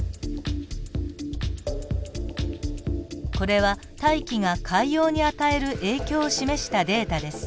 これは大気が海洋に与える影響を示したデータです。